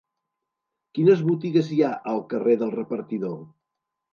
Quines botigues hi ha al carrer del Repartidor?